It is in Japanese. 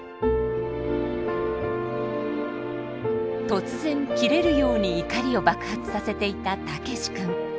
突然キレるように怒りを爆発させていたたけし君。